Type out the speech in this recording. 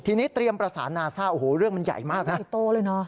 ทีนี้เตรียมประสานนาซ่าโอ้โหเรื่องมันใหญ่มากนะใหญ่โตเลยเนอะ